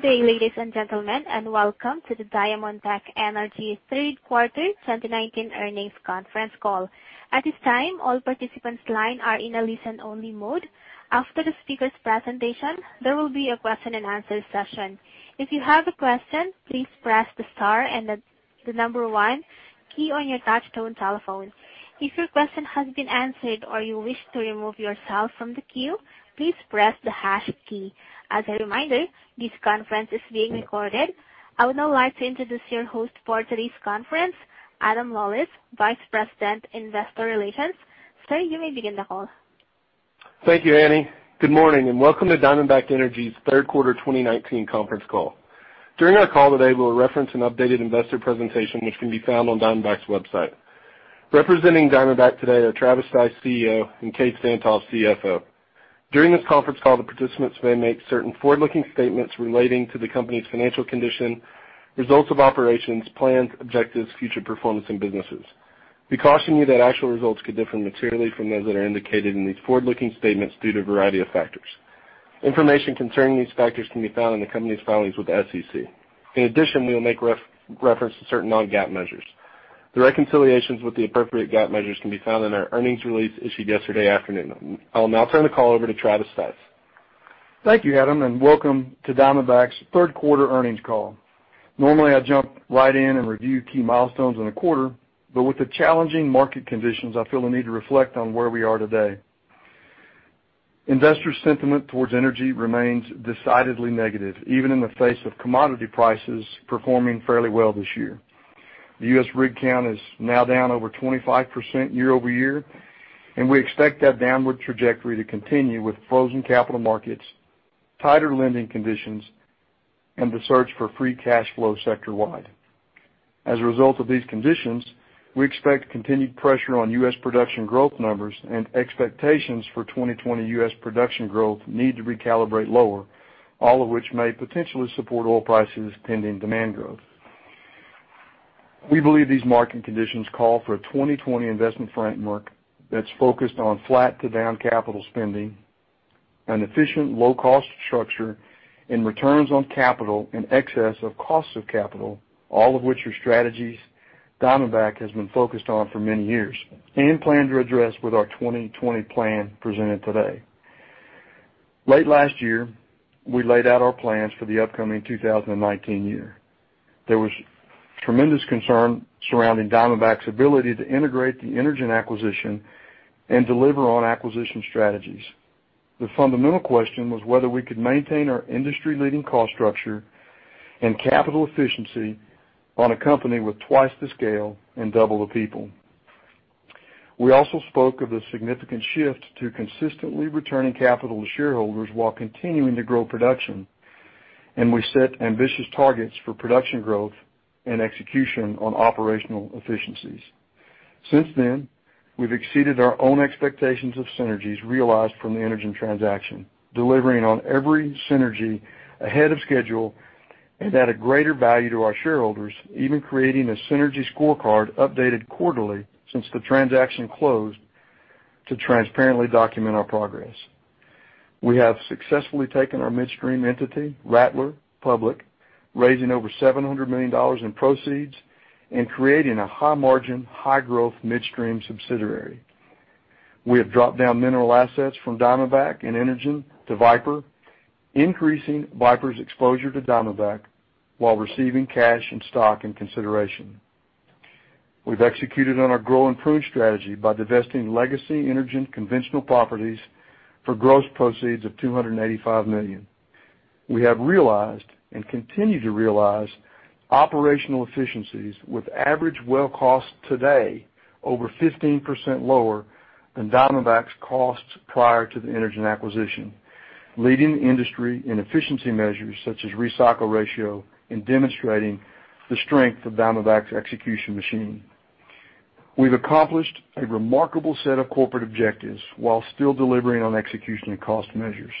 Good day, ladies and gentlemen, welcome to the Diamondback Energy third quarter 2019 earnings conference call. At this time, all participants' line are in a listen-only mode. After the speakers' presentation, there will be a question and answer session. If you have a question, please press the star and the number one key on your touchtone telephone. If your question has been answered or you wish to remove yourself from the queue, please press the hash key. As a reminder, this conference is being recorded. I would now like to introduce your host for today's conference, Adam Lawlis, Vice President, Investor Relations. Sir, you may begin the call. Thank you, Annie. Good morning, welcome to Diamondback Energy's third quarter 2019 conference call. During our call today, we'll reference an updated investor presentation which can be found on Diamondback's website. Representing Diamondback today are Travis Stice, CEO, and Kaes Van't Hof, CFO. During this conference call, the participants may make certain forward-looking statements relating to the company's financial condition, results of operations, plans, objectives, future performance, and businesses. We caution you that actual results could differ materially from those that are indicated in these forward-looking statements due to a variety of factors. Information concerning these factors can be found in the company's filings with the SEC. In addition, we will make reference to certain non-GAAP measures. The reconciliations with the appropriate GAAP measures can be found in our earnings release issued yesterday afternoon. I'll now turn the call over to Travis Stice. Thank you, Adam, and welcome to Diamondback's third quarter earnings call. Normally, I jump right in and review key milestones in a quarter, but with the challenging market conditions, I feel the need to reflect on where we are today. Investor sentiment towards energy remains decidedly negative, even in the face of commodity prices performing fairly well this year. The U.S. rig count is now down over 25% year-over-year, and we expect that downward trajectory to continue with frozen capital markets, tighter lending conditions, and the search for free cash flow sector-wide. As a result of these conditions, we expect continued pressure on U.S. production growth numbers and expectations for 2020 U.S. production growth need to recalibrate lower, all of which may potentially support oil prices pending demand growth. We believe these market conditions call for a 2020 investment framework that's focused on flat to down capital spending, an efficient low-cost structure, and returns on capital in excess of cost of capital, all of which are strategies Diamondback has been focused on for many years and plan to address with our 2020 plan presented today. Late last year, we laid out our plans for the upcoming 2019 year. There was tremendous concern surrounding Diamondback's ability to integrate the Energen acquisition and deliver on acquisition strategies. The fundamental question was whether we could maintain our industry-leading cost structure and capital efficiency on a company with twice the scale and double the people. We also spoke of the significant shift to consistently returning capital to shareholders while continuing to grow production, and we set ambitious targets for production growth and execution on operational efficiencies. Since then, we've exceeded our own expectations of synergies realized from the Energen transaction, delivering on every synergy ahead of schedule and at a greater value to our shareholders, even creating a synergy scorecard updated quarterly since the transaction closed to transparently document our progress. We have successfully taken our midstream entity, Rattler Midstream LP, raising over $700 million in proceeds and creating a high margin, high growth midstream subsidiary. We have dropped down mineral assets from Diamondback and Energen to Viper, increasing Viper's exposure to Diamondback while receiving cash and stock and consideration. We've executed on our grow and prune strategy by divesting legacy Energen conventional properties for gross proceeds of $285 million. We have realized and continue to realize operational efficiencies with average well cost today over 15% lower than Diamondback's costs prior to the Energen acquisition, leading the industry in efficiency measures such as recycle ratio and demonstrating the strength of Diamondback's execution machine. We've accomplished a remarkable set of corporate objectives while still delivering on execution and cost measures.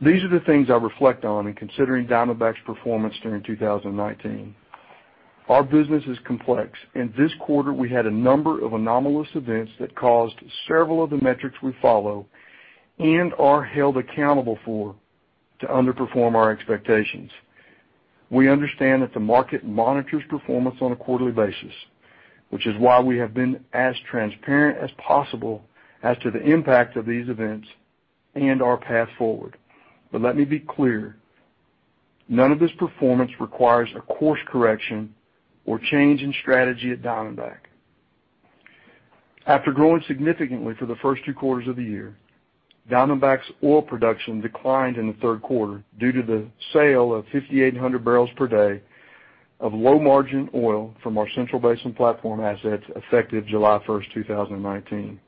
These are the things I reflect on in considering Diamondback's performance during 2019. Our business is complex, and this quarter we had a number of anomalous events that caused several of the metrics we follow and are held accountable for to underperform our expectations. We understand that the market monitors performance on a quarterly basis, which is why we have been as transparent as possible as to the impact of these events and our path forward. Let me be clear, none of this performance requires a course correction or change in strategy at Diamondback. After growing significantly for the first two quarters of the year, Diamondback's oil production declined in the third quarter due to the sale of 5,800 barrels per day of low margin oil from our Central Basin Platform assets effective July 1st, 2019.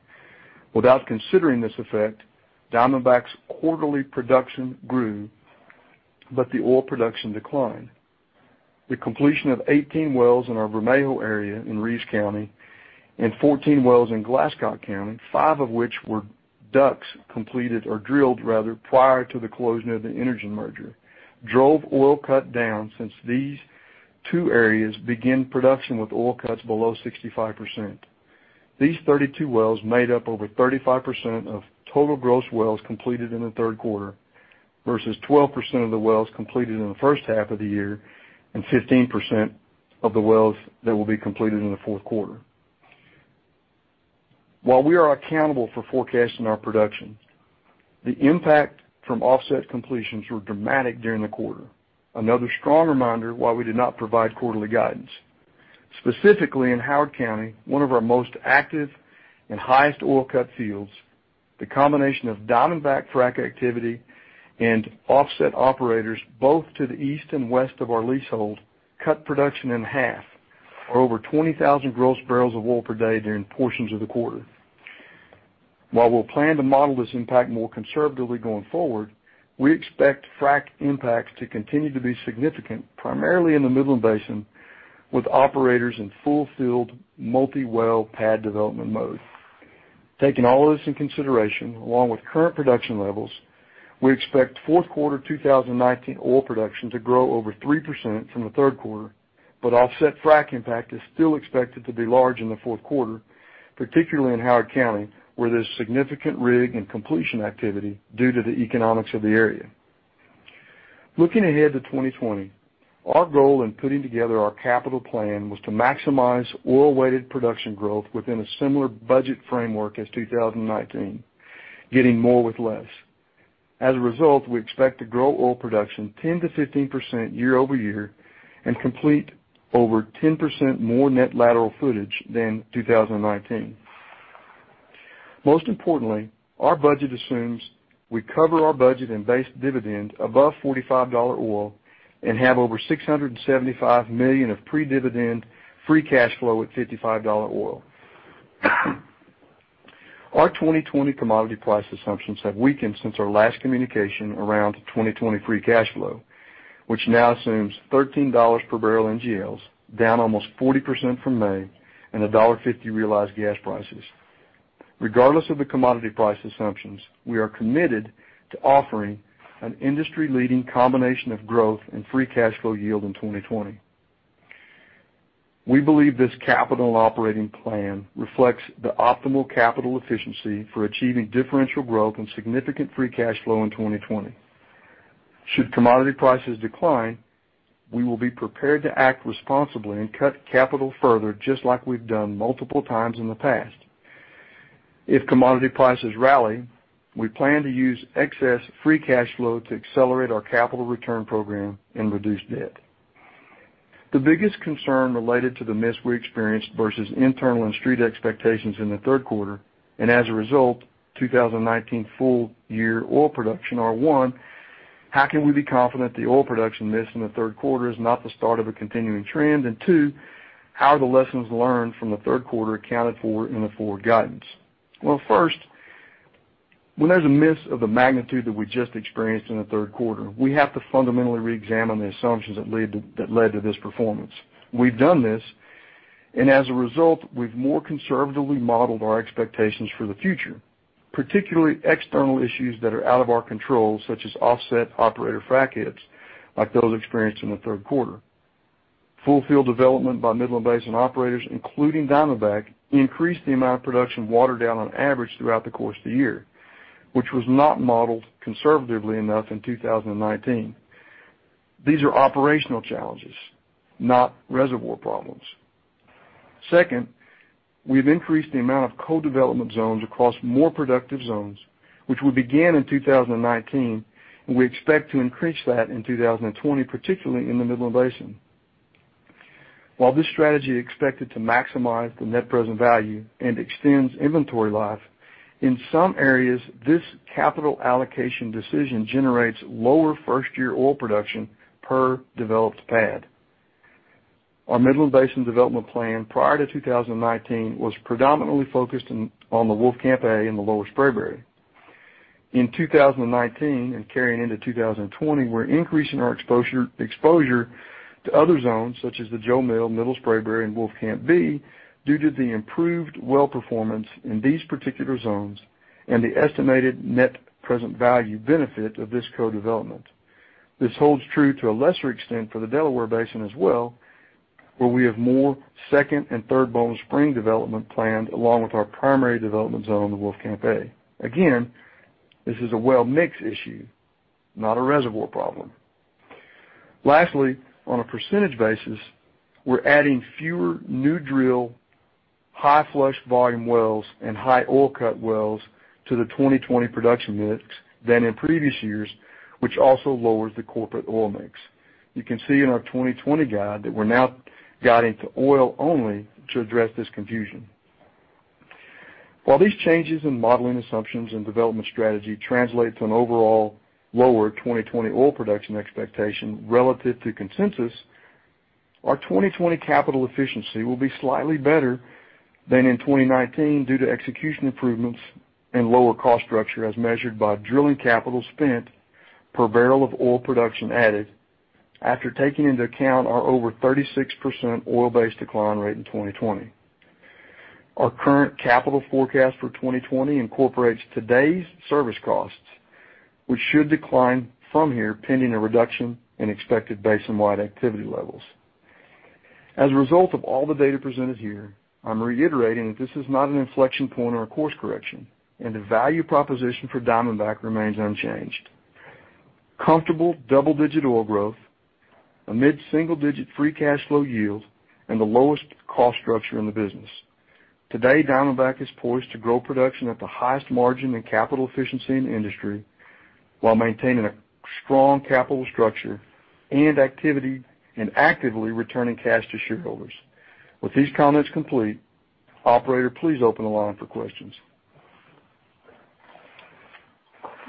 Without considering this effect, Diamondback's quarterly production grew, but the oil production declined. The completion of 18 wells in our Vermejo area in Reeves County and 14 wells in Glasscock County, five of which were DUCs completed or drilled rather prior to the closing of the Energen merger, drove oil cut down since these two areas begin production with oil cuts below 65%. These 32 wells made up over 35% of total gross wells completed in the third quarter, versus 12% of the wells completed in the first half of the year and 15% of the wells that will be completed in the fourth quarter. While we are accountable for forecasting our production, the impact from offset completions were dramatic during the quarter, another strong reminder why we did not provide quarterly guidance. Specifically in Howard County, one of our most active and highest oil cut fields, the combination of Diamondback frac activity and offset operators both to the east and west of our leasehold cut production in half, or over 20,000 gross barrels of oil per day during portions of the quarter. While we'll plan to model this impact more conservatively going forward, we expect frac impacts to continue to be significant, primarily in the Midland Basin, with operators in full field multi-well pad development mode. Taking all of this in consideration, along with current production levels, we expect fourth quarter 2019 oil production to grow over 3% from the third quarter, but offset frac impact is still expected to be large in the fourth quarter, particularly in Howard County, where there's significant rig and completion activity due to the economics of the area. Looking ahead to 2020, our goal in putting together our capital plan was to maximize oil-weighted production growth within a similar budget framework as 2019, getting more with less. As a result, we expect to grow oil production 10%-15% year-over-year and complete over 10% more net lateral footage than 2019. Most importantly, our budget assumes we cover our budget and base dividend above $45 oil and have over $675 million of pre-dividend free cash flow at $55 oil. Our 2020 commodity price assumptions have weakened since our last communication around 2020 free cash flow, which now assumes $13 per barrel NGLs, down almost 40% from May, and $1.50 realized gas prices. Regardless of the commodity price assumptions, we are committed to offering an industry-leading combination of growth and free cash flow yield in 2020. We believe this capital operating plan reflects the optimal capital efficiency for achieving differential growth and significant free cash flow in 2020. Should commodity prices decline, we will be prepared to act responsibly and cut capital further, just like we've done multiple times in the past. If commodity prices rally, we plan to use excess free cash flow to accelerate our capital return program and reduce debt. The biggest concern related to the miss we experienced versus internal and street expectations in the third quarter, and as a result, 2019 full year oil production, are one, how can we be confident the oil production miss in the third quarter is not the start of a continuing trend? Two, how are the lessons learned from the third quarter accounted for in the forward guidance? Well, first, when there's a miss of the magnitude that we just experienced in the third quarter, we have to fundamentally reexamine the assumptions that led to this performance. We've done this, and as a result, we've more conservatively modeled our expectations for the future, particularly external issues that are out of our control, such as offset operator frac hits, like those experienced in the third quarter. Full field development by Midland Basin operators, including Diamondback, increased the amount of production water down on average throughout the course of the year, which was not modeled conservatively enough in 2019. These are operational challenges, not reservoir problems. Second, we've increased the amount of co-development zones across more productive zones, which we began in 2019, and we expect to increase that in 2020, particularly in the Midland Basin. While this strategy is expected to maximize the net present value and extends inventory life, in some areas, this capital allocation decision generates lower first-year oil production per developed pad. Our Midland Basin development plan prior to 2019 was predominantly focused on the Wolfcamp A and the Lower Spraberry. In 2019 and carrying into 2020, we're increasing our exposure to other zones such as the Jo Mill, Middle Spraberry, and Wolfcamp B due to the improved well performance in these particular zones and the estimated net present value benefit of this co-development. This holds true to a lesser extent for the Delaware Basin as well, where we have more Second Bone Spring and Third Bone Spring development planned, along with our primary development zone, the Wolfcamp A. Again, this is a well mix issue, not a reservoir problem. Lastly, on a percentage basis, we're adding fewer new drill high flush volume wells and high oil cut wells to the 2020 production mix than in previous years, which also lowers the corporate oil mix. You can see in our 2020 guide that we're now guiding to oil only to address this confusion. While these changes in modeling assumptions and development strategy translate to an overall lower 2020 oil production expectation relative to consensus, our 2020 capital efficiency will be slightly better than in 2019 due to execution improvements and lower cost structure, as measured by drilling capital spent per barrel of oil production added, after taking into account our over 36% oil base decline rate in 2020. Our current capital forecast for 2020 incorporates today's service costs, which should decline from here pending a reduction in expected basinwide activity levels. As a result of all the data presented here, I'm reiterating that this is not an inflection point or a course correction, and the value proposition for Diamondback remains unchanged. Comfortable double-digit oil growth, a mid-single digit free cash flow yield, and the lowest cost structure in the business. Today, Diamondback is poised to grow production at the highest margin and capital efficiency in the industry, while maintaining a strong capital structure and actively returning cash to shareholders. With these comments complete, operator, please open the line for questions.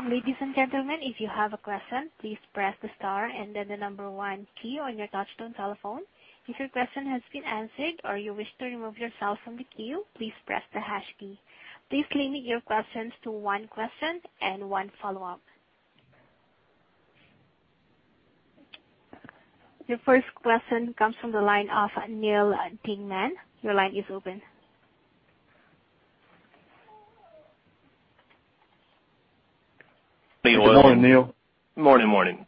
Ladies and gentlemen, if you have a question, please press the star and then the number 1 key on your touch-tone telephone. If your question has been answered or you wish to remove yourself from the queue, please press the hash key. Please limit your questions to one question and one follow-up. Your first question comes from the line of Neal Dingmann. Your line is open. Good morning, Neal. Morning. Morning.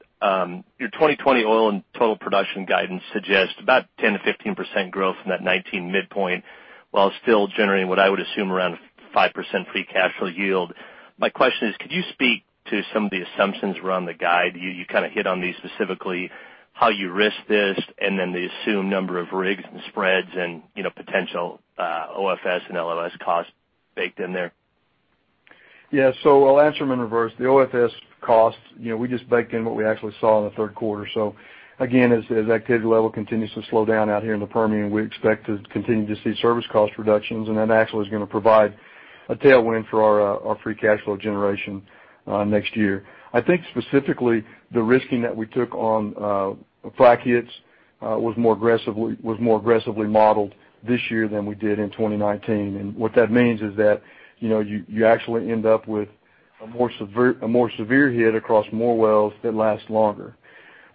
Your 2020 oil and total production guidance suggests about 10%-15% growth from that 2019 midpoint, while still generating what I would assume around 5% free cash flow yield. My question is, could you speak to some of the assumptions around the guide? You hit on these specifically, how you risked this, and then the assumed number of rigs and spreads and potential OFS and LLS costs baked in there. Yeah. I'll answer them in reverse. The OFS costs, we just baked in what we actually saw in the third quarter. Again, as activity level continues to slow down out here in the Permian, we expect to continue to see service cost reductions, and that actually is going to provide a tailwind for our free cash flow generation next year. I think specifically the risking that we took on frac hits was more aggressively modeled this year than we did in 2019. What that means is that you actually end up with a more severe hit across more wells that last longer.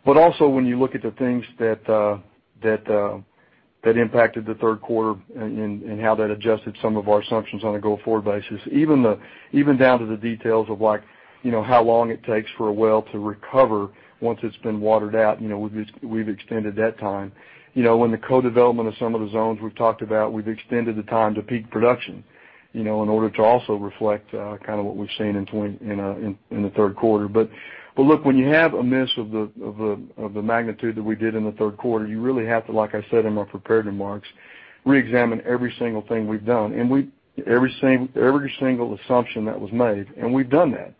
Also, when you look at the things that impacted the third quarter and how that adjusted some of our assumptions on a go-forward basis, even down to the details of how long it takes for a well to recover once it's been watered out, we've extended that time. When the co-development of some of the zones we've talked about, we've extended the time to peak production in order to also reflect what we've seen in the third quarter. Look, when you have a miss of the magnitude that we did in the third quarter, you really have to, like I said in my prepared remarks, reexamine every single thing we've done and every single assumption that was made, and we've done that.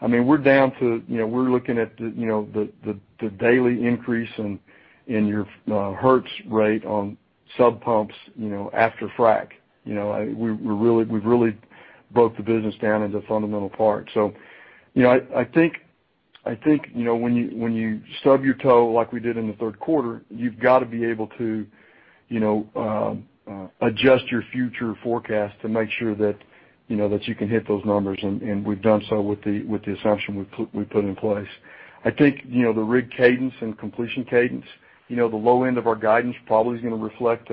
We're looking at the daily increase in your hertz rate on sub pumps after frack. We've really broke the business down into fundamental parts. I think when you stub your toe like we did in the third quarter, you've got to be able to adjust your future forecast to make sure that you can hit those numbers, and we've done so with the assumption we put in place. I think the rig cadence and completion cadence, the low end of our guidance probably is going to reflect,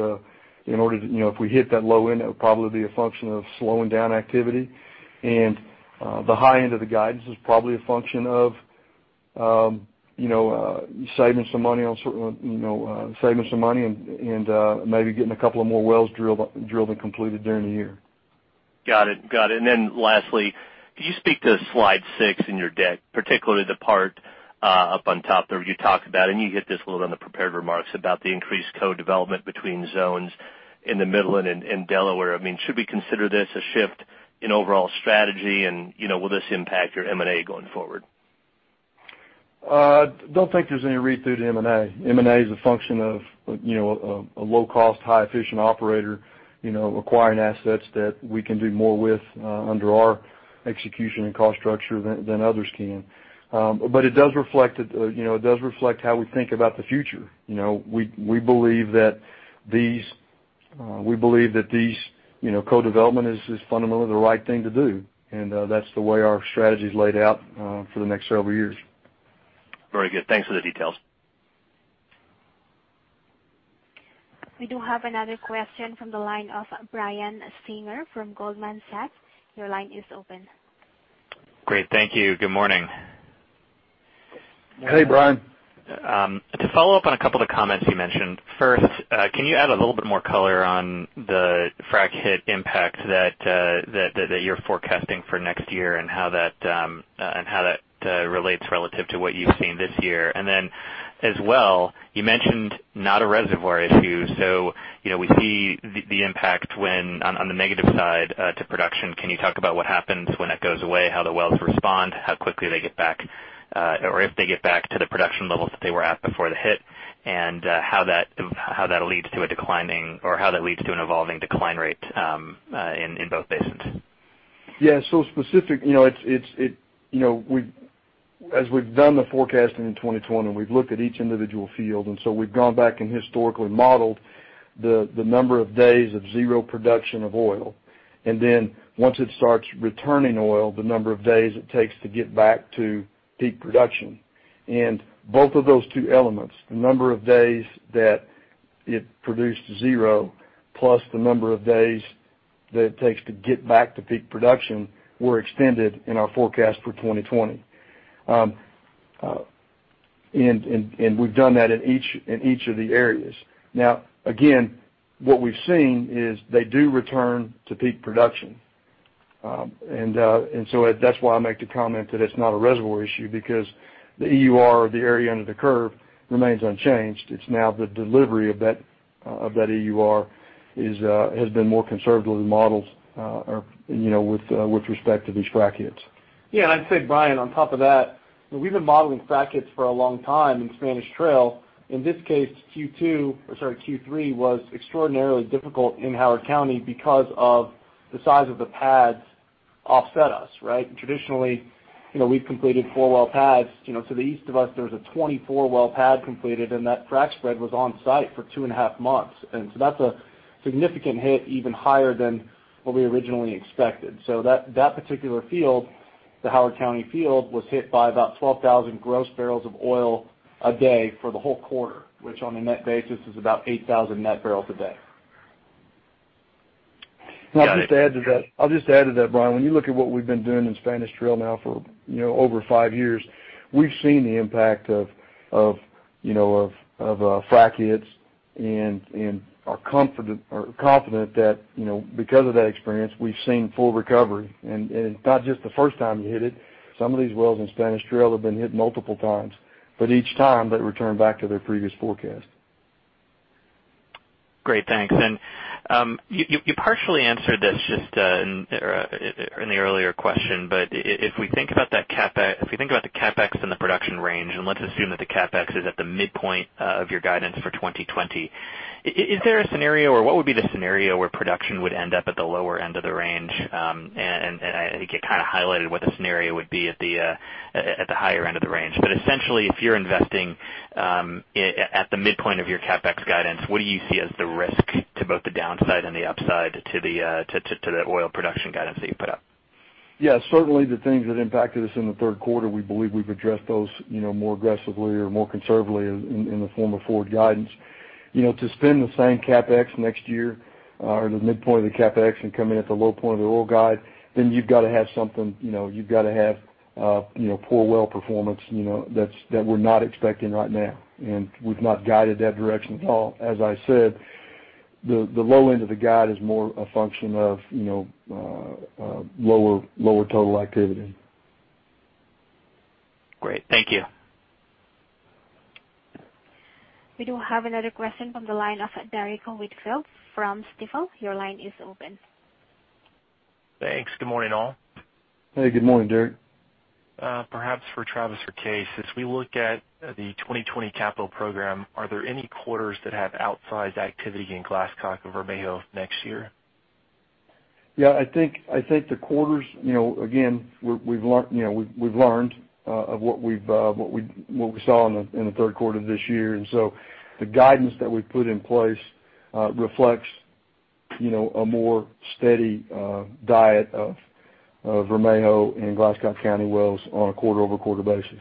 if we hit that low end, that would probably be a function of slowing down activity. The high end of the guidance is probably a function of saving some money and maybe getting a couple of more wells drilled than completed during the year. Got it. Lastly, could you speak to slide six in your deck, particularly the part up on top there where you talk about, and you hit this a little in the prepared remarks, about the increased co-development between zones in the Midland and Delaware. Should we consider this a shift in overall strategy? Will this impact your M&A going forward? I don't think there's any read-through to M&A. M&A is a function of a low cost, high efficient operator acquiring assets that we can do more with under our execution and cost structure than others can. It does reflect how we think about the future. We believe that these co-development is fundamentally the right thing to do, and that's the way our strategy is laid out for the next several years. Very good. Thanks for the details. We do have another question from the line of Brian Singer from Goldman Sachs. Your line is open. Great. Thank you. Good morning. Hey, Brian. To follow up on a couple of comments you mentioned. First, can you add a little bit more color on the frac hit impact that you're forecasting for next year and how that relates relative to what you've seen this year? As well, you mentioned not a reservoir issue. We see the impact on the negative side to production. Can you talk about what happens when it goes away, how the wells respond, how quickly they get back, or if they get back to the production levels that they were at before the hit, and how that leads to an evolving decline rate in both basins? Yeah. As we've done the forecasting in 2020, we've looked at each individual field, and so we've gone back and historically modeled the number of days of zero production of oil. Then once it starts returning oil, the number of days it takes to get back to peak production. Both of those two elements, the number of days that it produced zero, plus the number of days that it takes to get back to peak production were extended in our forecast for 2020. We've done that in each of the areas. Again, what we've seen is they do return to peak production. That's why I make the comment that it's not a reservoir issue because the EUR, or the area under the curve, remains unchanged. It's now the delivery of that EUR has been more conservative than models with respect to these frac hits. Yeah. I'd say, Brian, on top of that, we've been modeling frac hits for a long time in Spanish Trail. In this case, Q3 was extraordinarily difficult in Howard County because of the size of the pads offset us, right? Traditionally, we've completed 4-well pads. To the east of us, there was a 24-well pad completed, that frac spread was on site for two and a half months. That's a significant hit, even higher than what we originally expected. That particular field, the Howard County field, was hit by about 12,000 gross barrels of oil a day for the whole quarter, which on a net basis is about 8,000 net barrels a day. I'll just add to that, Brian, when you look at what we've been doing in Spanish Trail now for over five years, we've seen the impact of frac hits and are confident that because of that experience, we've seen full recovery. It's not just the first time you hit it. Some of these wells in Spanish Trail have been hit multiple times. Each time, they return back to their previous forecast. Great. Thanks. You partially answered this just in the earlier question, but if we think about the CapEx and the production range, let's assume that the CapEx is at the midpoint of your guidance for 2020, is there a scenario, or what would be the scenario where production would end up at the lower end of the range? I think it kind of highlighted what the scenario would be at the higher end of the range. Essentially, if you're investing at the midpoint of your CapEx guidance, what do you see as the risk to both the downside and the upside to the oil production guidance that you put up? Yeah. Certainly, the things that impacted us in the third quarter, we believe we've addressed those more aggressively or more conservatively in the form of forward guidance. To spend the same CapEx next year, or the midpoint of the CapEx, and come in at the low point of the oil guide, then you've got to have poor well performance that we're not expecting right now. We've not guided that direction at all. As I said, the low end of the guide is more a function of lower total activity. Great. Thank you. We do have another question from the line of Derrick Whitfield from Stifel. Your line is open. Thanks. Good morning, all. Hey, good morning, Derrick. Perhaps for Travis or Kaes, since we look at the 2020 capital program, are there any quarters that have outsized activity in Glasscock or Vermejo next year? I think the quarters, again, we've learned of what we saw in the third quarter of this year. The guidance that we've put in place reflects a more steady diet of Vermejo and Glasscock County wells on a quarter-over-quarter basis.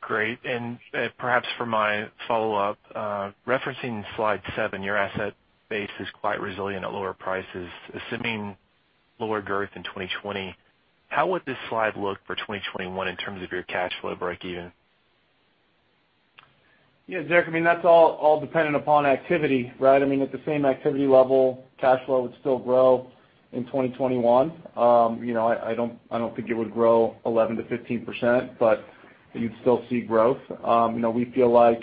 Great. Perhaps for my follow-up, referencing slide seven, your asset base is quite resilient at lower prices. Assuming lower growth in 2020, how would this slide look for 2021 in terms of your cash flow breakeven? Yeah, Derrick, that's all dependent upon activity, right? At the same activity level, cash flow would still grow in 2021. I don't think it would grow 11%-15%, you'd still see growth. We feel like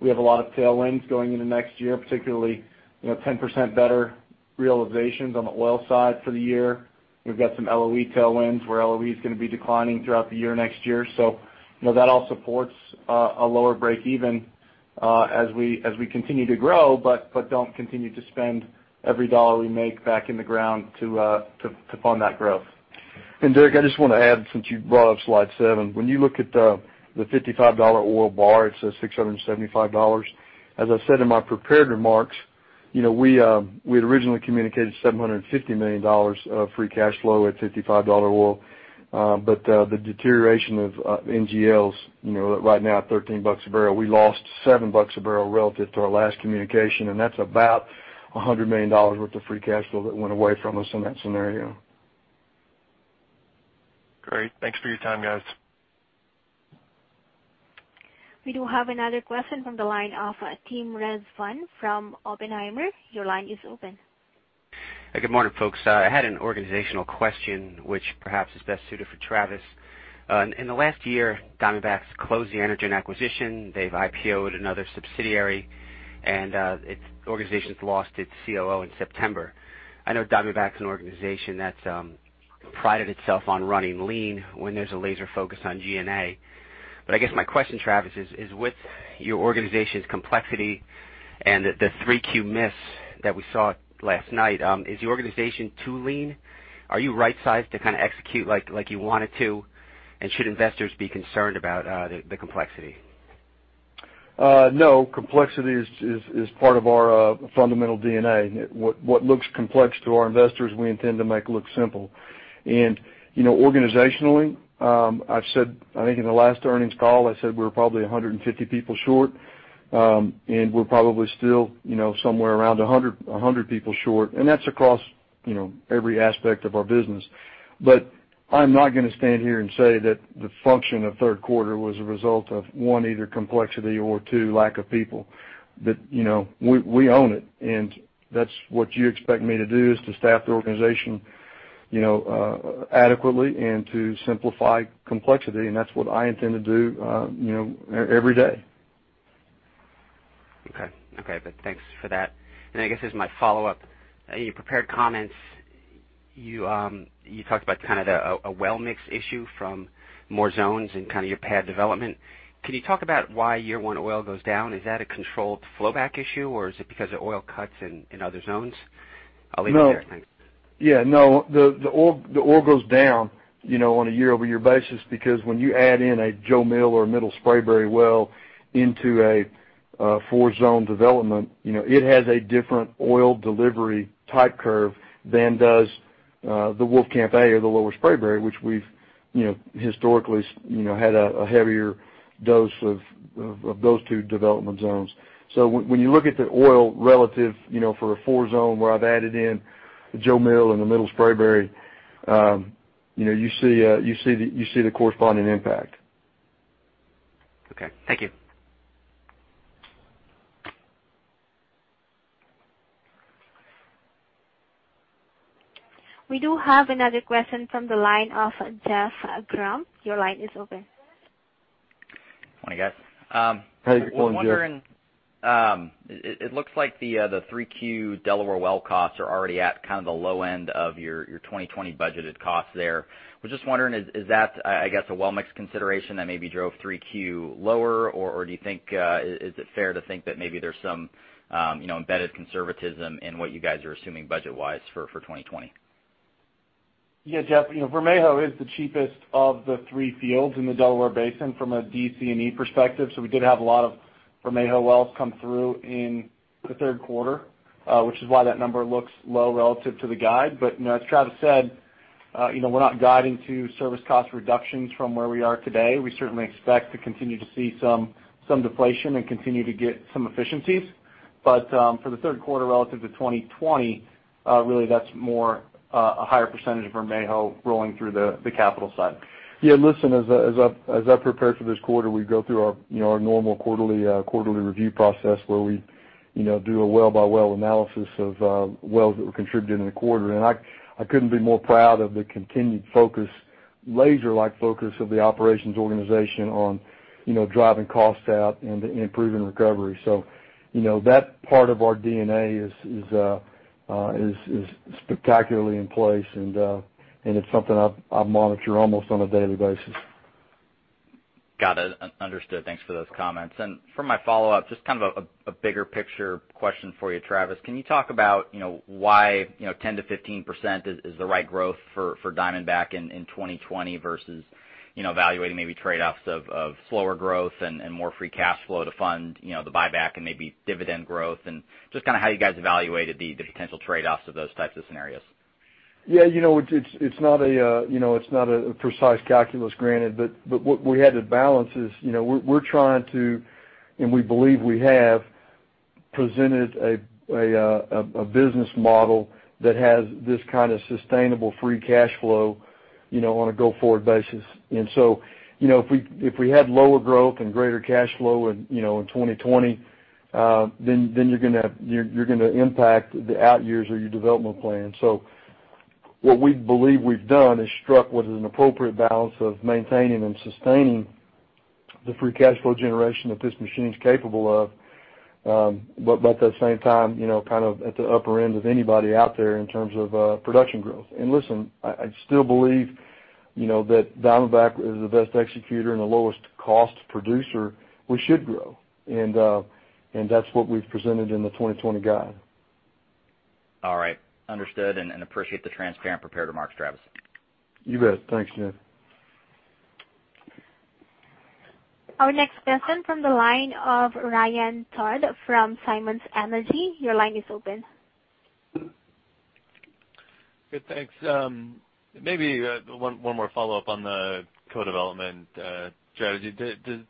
we have a lot of tailwinds going into next year, particularly 10% better realizations on the oil side for the year. We've got some LOE tailwinds where LOE is going to be declining throughout the year next year. That all supports a lower breakeven as we continue to grow, but don't continue to spend every dollar we make back in the ground to fund that growth. Derrick, I just want to add, since you brought up slide seven. When you look at the $55 oil bar, it says $675. As I said in my prepared remarks, we had originally communicated $750 million of free cash flow at $55 oil. The deterioration of NGLs right now at $13 a barrel, we lost $7 a barrel relative to our last communication, and that's about $100 million worth of free cash flow that went away from us in that scenario. Great. Thanks for your time, guys. We do have another question from the line of Tim Rezvan from Oppenheimer. Your line is open. Good morning, folks. I had an organizational question, which perhaps is best suited for Travis. In the last year, Diamondback's closed the Energen acquisition. They've IPO'd another subsidiary, and the organization's lost its COO in September. I know Diamondback's an organization that's prided itself on running lean when there's a laser focus on G&A. I guess my question, Travis, is with your organization's complexity and the 3Q miss that we saw last night, is the organization too lean? Are you right-sized to execute like you wanted to, and should investors be concerned about the complexity? No. Complexity is part of our fundamental DNA. What looks complex to our investors, we intend to make look simple. Organizationally, I think in the last earnings call, I said we're probably 150 people short, and we're probably still somewhere around 100 people short. That's across every aspect of our business. I'm not going to stand here and say that the function of third quarter was a result of, one, either complexity or, two, lack of people. We own it. That's what you expect me to do, is to staff the organization adequately and to simplify complexity, and that's what I intend to do every day. Okay. Thanks for that. I guess as my follow-up, in your prepared comments, you talked about a well mix issue from more zones in your pad development. Can you talk about why year one oil goes down? Is that a controlled flow back issue, or is it because of oil cuts in other zones? I'll leave it there. Thanks. Yeah, no. The oil goes down on a year-over-year basis because when you add in a Jo Mill or a Middle Spraberry well into a four-zone development, it has a different oil delivery type curve than does the Wolfcamp A or the Lower Spraberry, which we've historically had a heavier dose of those two development zones. When you look at the oil relative for a four zone where I've added in the Jo Mill and the Middle Spraberry, you see the corresponding impact. Okay. Thank you. We do have another question from the line of Jeff Grubb. Your line is open. Good morning, guys. How you doing, Jeff? I was wondering, it looks like the 3Q Delaware well costs are already at the low end of your 2020 budgeted cost there. Was just wondering, is that, I guess, a well mix consideration that maybe drove 3Q lower, or is it fair to think that maybe there's some embedded conservatism in what you guys are assuming budget wise for 2020? Jeff, Vermejo is the cheapest of the three fields in the Delaware Basin from a D,C&E perspective. We did have a lot of Vermejo wells come through in the third quarter, which is why that number looks low relative to the guide. As Travis said, we're not guiding to service cost reductions from where we are today. We certainly expect to continue to see some deflation and continue to get some efficiencies. For the third quarter relative to 2020, really that's more a higher percentage of Vermejo rolling through the capital side. Yeah, listen, as I prepared for this quarter, we go through our normal quarterly review process where we do a well-by-well analysis of wells that were contributed in the quarter. I couldn't be more proud of the continued laser-like focus of the operations organization on driving costs out and improving recovery. That part of our DNA is spectacularly in place, and it's something I monitor almost on a daily basis. Got it. Understood. Thanks for those comments. For my follow-up, just a bigger picture question for you, Travis. Can you talk about why 10%-15% is the right growth for Diamondback in 2020 versus evaluating maybe trade-offs of slower growth and more free cash flow to fund the buyback and maybe dividend growth, and just how you guys evaluated the potential trade-offs of those types of scenarios? Yeah, it's not a precise calculus, granted. What we had to balance is we're trying to, and we believe we have presented a business model that has this kind of sustainable free cash flow on a go-forward basis. If we had lower growth and greater cash flow in 2020, then you're going to impact the out years of your development plan. What we believe we've done is struck what is an appropriate balance of maintaining and sustaining the free cash flow generation that this machine's capable of. At that same time, at the upper end of anybody out there in terms of production growth. Listen, I still believe that Diamondback is the best executor and the lowest cost producer. We should grow. That's what we've presented in the 2020 guide. All right. Understood and appreciate the transparent prepared remarks, Travis. You bet. Thanks, Jeff. Our next question from the line of Ryan Todd from Simmons Energy. Your line is open. Good, thanks. Maybe one more follow-up on the co-development strategy. Does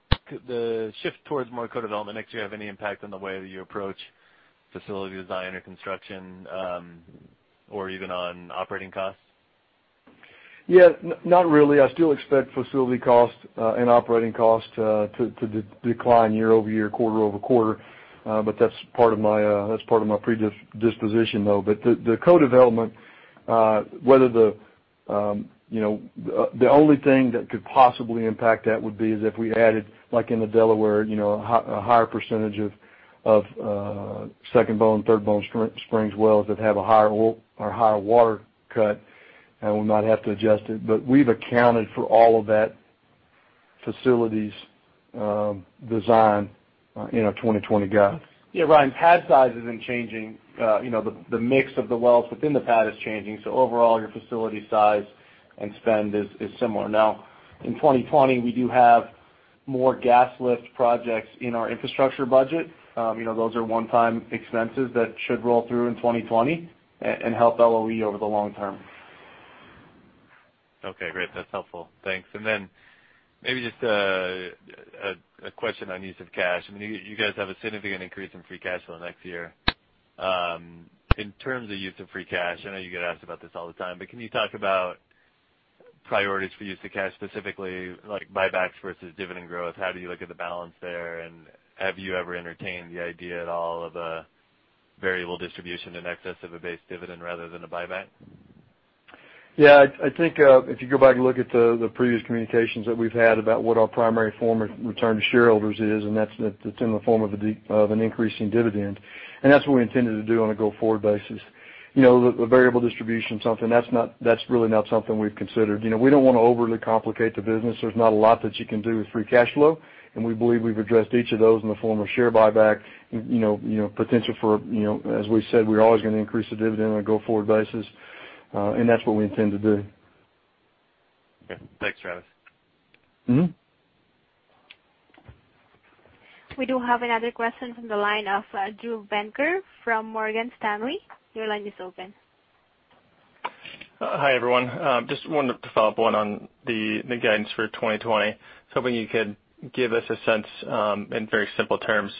the shift towards more co-development next year have any impact on the way that you approach facility design or construction, or even on operating costs? Yeah, not really. I still expect facility cost and operating cost to decline year-over-year, quarter-over-quarter. That's part of my predisposition, though. The co-development, the only thing that could possibly impact that would be is if we added, like in the Delaware, a higher percentage of Second Bone, Third Bone Spring wells that have a higher oil or higher water cut, and we'll not have to adjust it. We've accounted for all of that facilities design in our 2020 guide. Yeah, Ryan, pad size isn't changing. The mix of the wells within the pad is changing. Overall, your facility size and spend is similar. Now, in 2020, we do have more gas lift projects in our infrastructure budget. Those are one-time expenses that should roll through in 2020 and help LOE over the long term. Okay, great. That's helpful. Thanks. Then maybe just a question on use of cash. You guys have a significant increase in free cash flow next year. In terms of use of free cash, I know you get asked about this all the time, but can you talk about priorities for use of cash, specifically like buybacks versus dividend growth? How do you look at the balance there, and have you ever entertained the idea at all of a variable distribution in excess of a base dividend rather than a buyback? Yeah. I think if you go back and look at the previous communications that we've had about what our primary form of return to shareholders is, and that's in the form of an increasing dividend. That's what we intended to do on a go-forward basis. The variable distribution, that's really not something we've considered. We don't want to overly complicate the business. There's not a lot that you can do with free cash flow. We believe we've addressed each of those in the form of share buyback, potential for, as we said, we're always going to increase the dividend on a go-forward basis. That's what we intend to do. Okay. Thanks, Travis. We do have another question from the line of Drew Venker from Morgan Stanley. Your line is open. Hi, everyone. Just wanted to follow up on the guidance for 2020. Was hoping you could give us a sense, in very simple terms,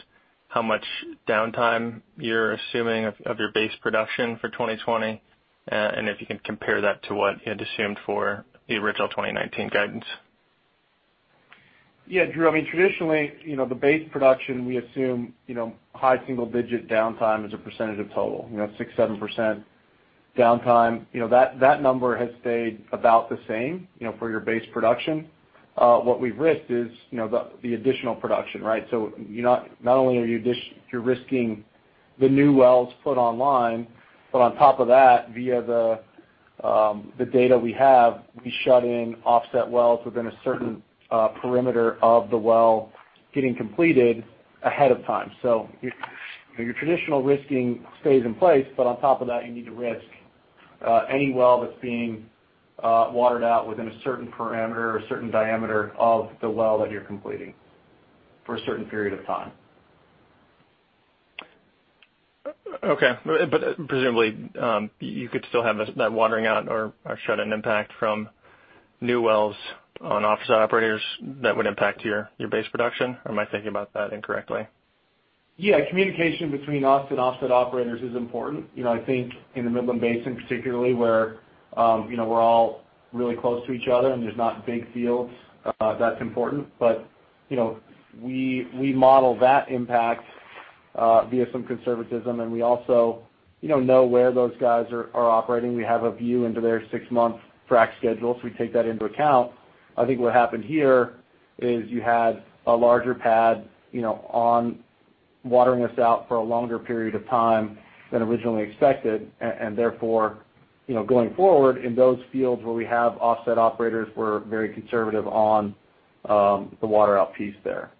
how much downtime you're assuming of your base production for 2020, and if you can compare that to what you had assumed for the original 2019 guidance? Yeah, Drew. Traditionally, the base production, we assume high single-digit downtime as a percentage of total, 6%, 7% downtime. That number has stayed about the same for your base production. What we've risked is the additional production. Not only are you risking the new wells put online, but on top of that, via the data we have, we shut in offset wells within a certain perimeter of the well getting completed ahead of time. Your traditional risking stays in place, but on top of that, you need to risk any well that's being watered out within a certain parameter or a certain diameter of the well that you're completing for a certain period of time. Okay. Presumably, you could still have that watering out or shut-in impact from new wells on offset operators that would impact your base production, or am I thinking about that incorrectly? Yeah. Communication between us and offset operators is important. I think in the Midland Basin, particularly where we're all really close to each other and there's not big fields, that's important. We model that impact via some conservatism, and we also know where those guys are operating. We have a view into their six-month frac schedule, so we take that into account. I think what happened here is you had a larger pad on watering us out for a longer period of time than originally expected, and therefore, going forward in those fields where we have offset operators, we're very conservative on the water-out piece there.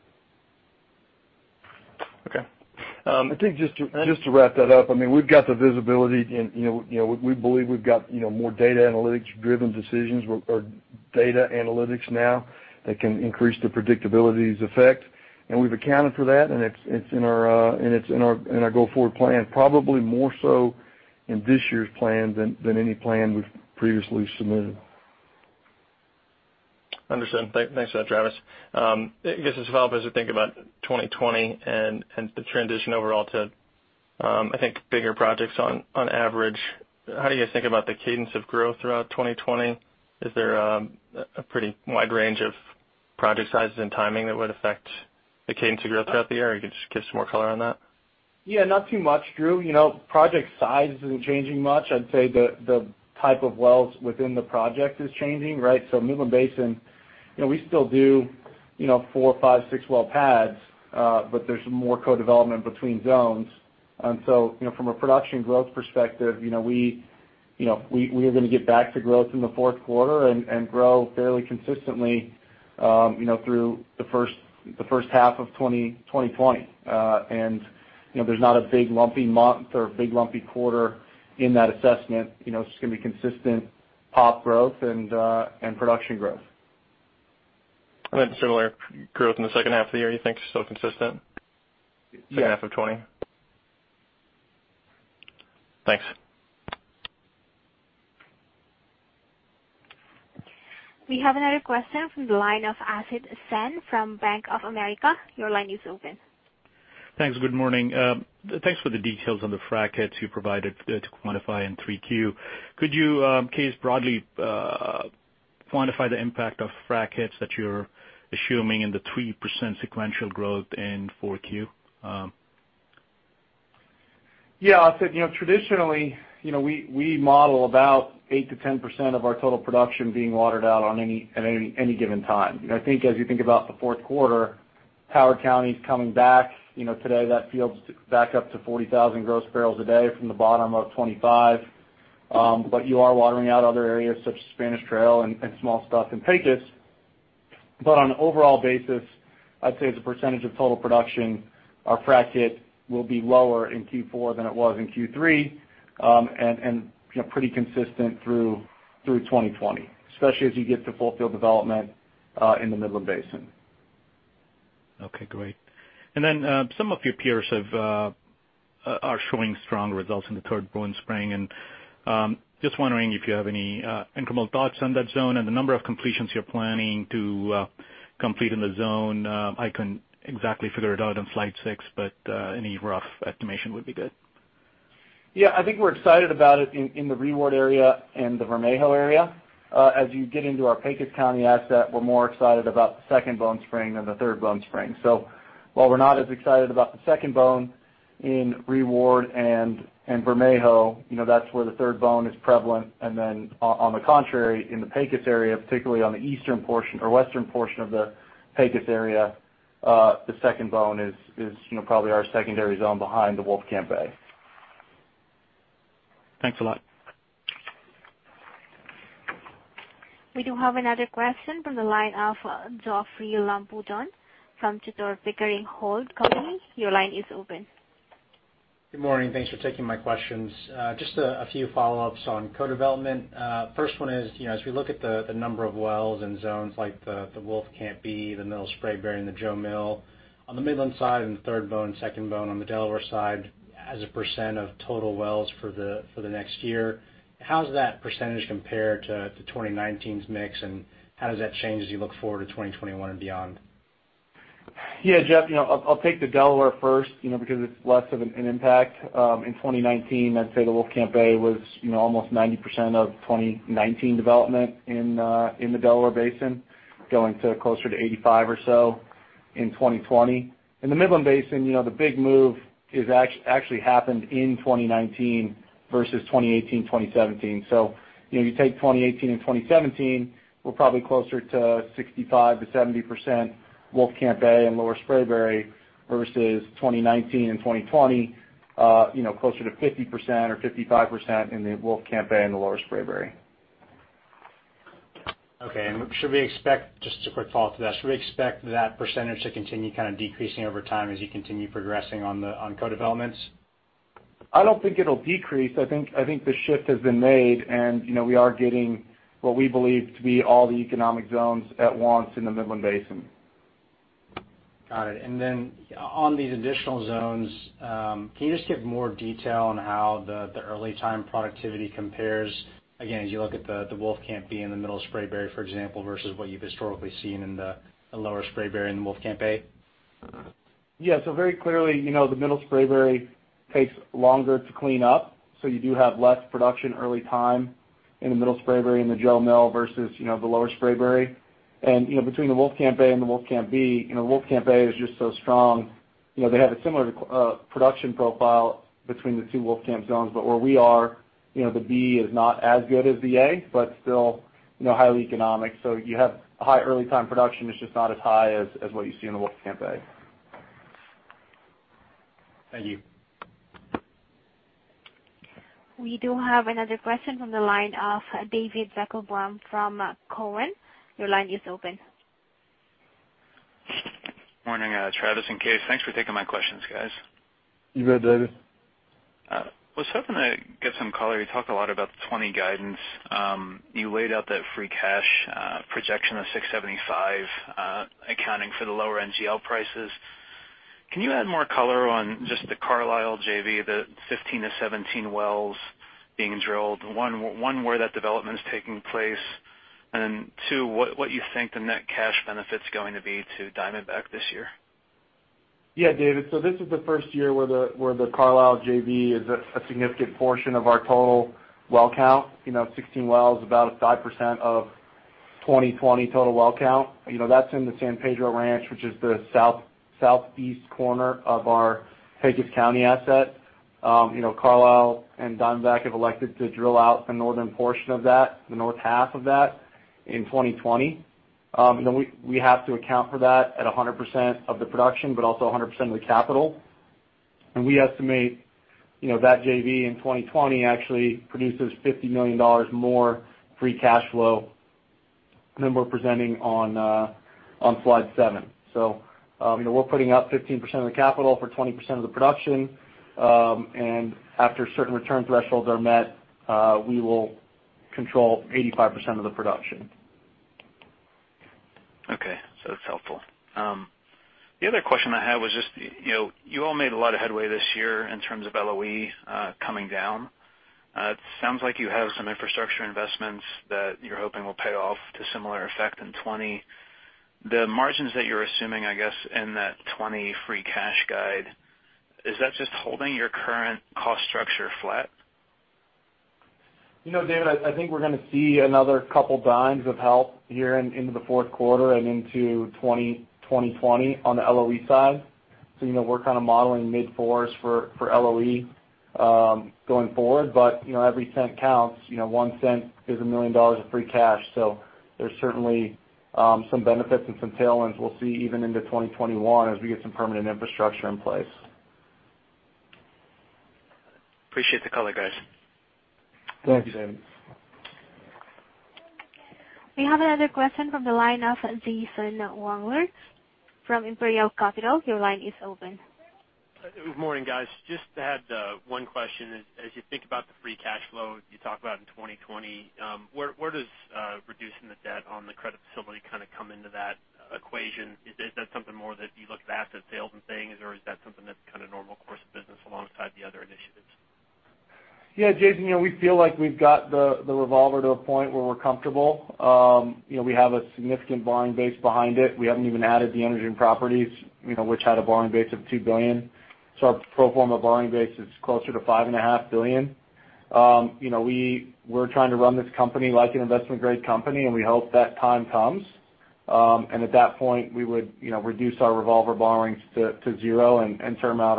Okay. I think just to wrap that up, we've got the visibility, and we believe we've got more data analytics-driven decisions or data analytics now that can increase the predictability's effect. We've accounted for that, and it's in our go-forward plan, probably more so in this year's plan than any plan we've previously submitted. Understood. Thanks for that, Travis. I guess as a follow-up, as we think about 2020 and the transition overall to, I think, bigger projects on average, how do you guys think about the cadence of growth throughout 2020? Is there a pretty wide range of project sizes and timing that would affect the cadence of growth throughout the year? You could just give some more color on that. Yeah. Not too much, Drew. Project size isn't changing much. I'd say the type of wells within the project is changing. Midland Basin, we still do four, five, six-well pads, but there's more co-development between zones. From a production growth perspective, we are going to get back to growth in the fourth quarter and grow fairly consistently through the first half of 2020. There's not a big lumpy month or a big lumpy quarter in that assessment. It's just going to be consistent POP growth and production growth. Similar growth in the second half of the year, you think, still consistent? Yeah. Second half of 2020? Thanks. We have another question from the line of Asit Sen from Bank of America. Your line is open. Thanks. Good morning. Thanks for the details on the frac hits you provided to quantify in 3Q. Could you, Kaes, broadly quantify the impact of frac hits that you're assuming in the 3% sequential growth in 4Q? Yeah, Asit. Traditionally, we model about 8%-10% of our total production being watered out at any given time. I think as you think about the fourth quarter, Howard County's coming back. Today, that field's back up to 40,000 gross barrels a day from the bottom of 25. You are watering out other areas such as Spanish Trail and Smallstock and Pecos. On an overall basis, I'd say as a percentage of total production, our frac hit will be lower in Q4 than it was in Q3, and pretty consistent through 2020, especially as you get to full field development in the Midland Basin. Okay, great. Some of your peers are showing strong results in the Third Bone Spring, and just wondering if you have any incremental thoughts on that zone and the number of completions you're planning to complete in the zone. I couldn't exactly figure it out on slide six, but any rough estimation would be good. Yeah, I think we're excited about it in the Reward area and the Vermejo area. As you get into our Pecos County asset, we're more excited about the Second Bone Spring than the Third Bone Spring. While we're not as excited about the Second Bone in Reward and Vermejo, that's where the Third Bone is prevalent. On the contrary, in the Pecos area, particularly on the eastern portion or western portion of the Pecos area, the Second Bone is probably our secondary zone behind the Wolfcamp A. Thanks a lot. We do have another question from the line of Geoffrey Lampotan from Tudor, Pickering, Holt & Co. Your line is open. Good morning. Thanks for taking my questions. Just a few follow-ups on co-development. First one is, as we look at the number of wells and zones like the Wolfcamp B, the Middle Spraberry, and the Jo Mill, on the Midland side and the Third Bone, Second Bone on the Delaware side, as a % of total wells for the next year, how does that % compare to 2019's mix, and how does that change as you look forward to 2021 and beyond? Geoff, I'll take the Delaware first because it's less of an impact. In 2019, I'd say the Wolfcamp A was almost 90% of 2019 development in the Delaware Basin, going to closer to 85 or so in 2020. In the Midland Basin, the big move actually happened in 2019 versus 2018, 2017. If you take 2018 and 2017, we're probably closer to 65%-70% Wolfcamp A and Lower Spraberry versus 2019 and 2020, closer to 50% or 55% in the Wolfcamp A and the Lower Spraberry. Okay. Just as a quick follow-up to that, should we expect that percentage to continue kind of decreasing over time as you continue progressing on co-developments? I don't think it'll decrease. I think the shift has been made, and we are getting what we believe to be all the economic zones at once in the Midland Basin. Got it. On these additional zones, can you just give more detail on how the early time productivity compares, again, as you look at the Wolfcamp B and the Middle Spraberry, for example, versus what you've historically seen in the Lower Spraberry and the Wolfcamp A? Yeah. Very clearly, the Middle Spraberry takes longer to clean up, so you do have less production early time in the Middle Spraberry and the Jo Mill versus the Lower Spraberry. Between the Wolfcamp A and the Wolfcamp B, Wolfcamp A is just so strong. They have a similar production profile between the two Wolfcamp zones. Where we are, the B is not as good as the A, but still highly economic. You have high early time production, it's just not as high as what you see in the Wolfcamp A. Thank you. We do have another question from the line of David Deckelbaum from Cowen. Your line is open. Morning, Travis and Kaes. Thanks for taking my questions, guys. You bet, David. I was hoping to get some color. You talk a lot about the 2020 guidance. You laid out that free cash projection of $675 accounting for the lower NGL prices. Can you add more color on just the Carlyle JV, the 15-17 wells being drilled? One, where that development is taking place, and then two, what you think the net cash benefit's going to be to Diamondback this year? David. This is the first year where the Carlyle JV is a significant portion of our total well count. 16 wells, about 5% of 2020 total well count. That's in the San Pedro Ranch, which is the southeast corner of our Pecos County asset. Carlyle and Diamondback have elected to drill out the northern portion of that, the north half of that in 2020. Then we have to account for that at 100% of the production, but also 100% of the capital. We estimate that JV in 2020 actually produces $50 million more free cash flow than we're presenting on slide seven. We're putting up 15% of the capital for 20% of the production. After certain return thresholds are met, we will control 85% of the production. That's helpful. The other question I had was just, you all made a lot of headway this year in terms of LOE coming down. It sounds like you have some infrastructure investments that you're hoping will pay off to similar effect in 2020. The margins that you're assuming, I guess, in that 2020 free cash guide, is that just holding your current cost structure flat? David, I think we're going to see another $0.20 of help here into the fourth quarter and into 2020 on the LOE side. We're kind of modeling mid-four for LOE going forward. Every cent counts. $0.01 is $1 million of free cash. There's certainly some benefits and some tailwinds we'll see even into 2021 as we get some permanent infrastructure in place. Appreciate the color, guys. Thanks. Thanks. We have another question from the line of Jason Wangler from Imperial Capital, your line is open. Morning, guys. Just had one question. As you think about the free cash flow you talk about in 2020, where does reducing the debt on the credit facility come into that equation? Is that something more that you look to asset sales and things, or is that something that's normal course of business alongside the other initiatives? Yeah, Jason, we feel like we've got the revolver to a point where we're comfortable. We have a significant borrowing base behind it. We haven't even added the Energen properties, which had a borrowing base of $2 billion. Our pro forma borrowing base is closer to $5.5 billion. We're trying to run this company like an investment-grade company, we hope that time comes. At that point, we would reduce our revolver borrowings to zero and term out